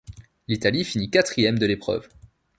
L'Italie finit quatrième de l'épreuve.